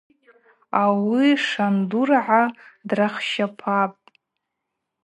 Ауи Шандургӏа драхщапапӏ.